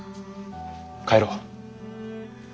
帰ろう。